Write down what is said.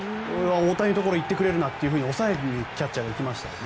大谷のところに行ってくれるなとキャッチャーがいきましたよね。